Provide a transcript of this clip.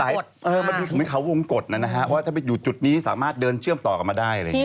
มันเป็นเหมือนเขาวงกฎนะนะฮะเพราะว่าถ้าไปอยู่จุดนี้สามารถเดินเชื่อมต่อกันมาได้